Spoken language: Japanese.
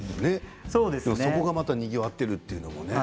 そこもにぎわっているというのもね。